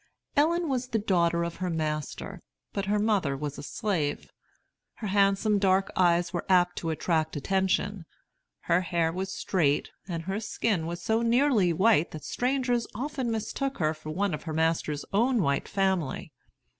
Ellen was the daughter of her master, but her mother was a slave. Her handsome dark eyes were apt to attract attention; her hair was straight, and her skin was so nearly white that strangers often mistook her for one of her master's own white family.